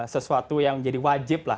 sesuatu yang menjadi wajib